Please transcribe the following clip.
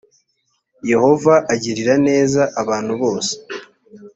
yehova agirira neza abantu bose